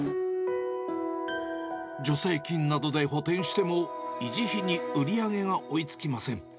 助成金などで補填しても、維持費に売り上げが追いつきません。